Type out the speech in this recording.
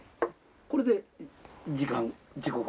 これで時間時刻。